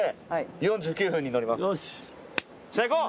よし。